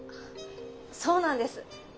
そうなんです。